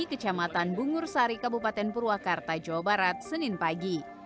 kecamatan bungur sari kabupaten purwakarta jawa barat senin pagi